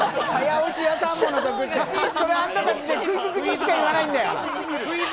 それはあんたたちクイズ好きしか言わないんだよ。